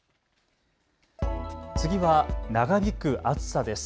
次は長引く暑さです。